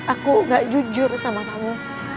aku gak jujur sama kamu